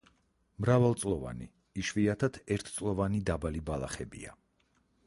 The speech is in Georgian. მრავალწლოვანი, იშვიათად ერთწლოვანი დაბალი ბალახებია.